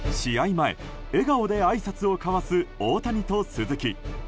前、笑顔であいさつを交わす大谷と鈴木。